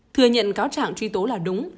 thừa nhận cáo chẳng truy tố là đúng